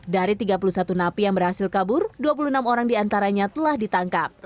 dari tiga puluh satu napi yang berhasil kabur dua puluh enam orang diantaranya telah ditangkap